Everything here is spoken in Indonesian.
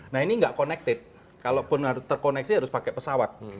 nah ini nggak connected kalau terkoneksi harus pakai pesawat